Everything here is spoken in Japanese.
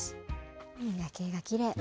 うん、夜景がきれい。